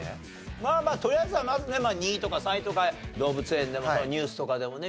まあまあとりあえずはまずね２位とか３位とか動物園でもニュースとかでもね